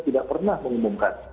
tidak pernah mengumumkan